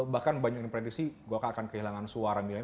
bahkan banyak yang prediksi golkar akan kehilangan suara